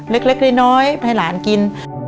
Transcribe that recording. เล็กน้อยให้หลานกิน